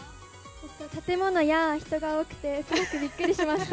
建物や人が多くてすごくびっくりしました。